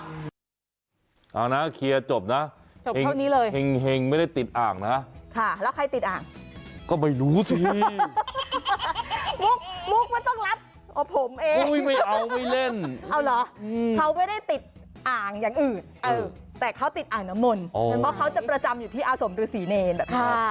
เพราะว่าเขาติดอ่านมนต์เหมือนว่าเขาจะประจำอยู่ที่อาสมดุศรีเนร